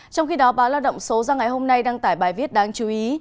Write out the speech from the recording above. trong khi đó báo lao động số ra ngày hôm nay đăng tải bài viết đáng chú ý